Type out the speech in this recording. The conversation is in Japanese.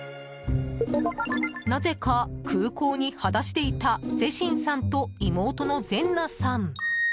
なぜか、空港に裸足でいたゼシンさんと妹のゼンナさん。